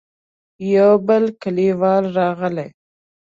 يو بل کليوال راغی.